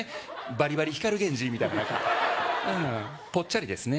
バリバリ光ＧＥＮＪＩみたいななんかぽっちゃりですね